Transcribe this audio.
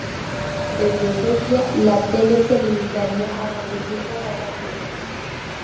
Desde ese día, La Tele se limitaría a repetir programas viejos.